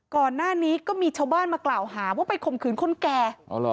ก่อนหน้านี้ก็มีชาวบ้านมากล่าวหาว่าไปข่มขืนคนแก่